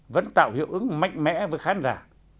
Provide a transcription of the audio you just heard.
vẫn tạo hiệu ứng mạnh mẽ với khán giả